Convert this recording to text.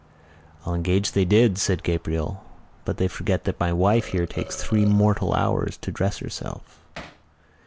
"I'll engage they did," said Gabriel, "but they forget that my wife here takes three mortal hours to dress herself."